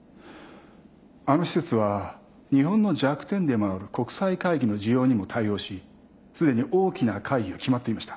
あの施設は日本の弱点でもある国際会議の需要にも対応しすでに大きな会議が決まっていました。